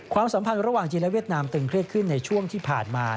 สัมพันธ์ระหว่างจีนและเวียดนามตึงเครียดขึ้นในช่วงที่ผ่านมา